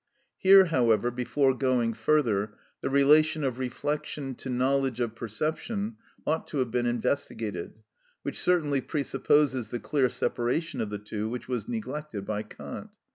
Here, however, before going further, the relation of reflection to knowledge of perception ought to have been investigated (which certainly presupposes the clear separation of the two, which was neglected by Kant).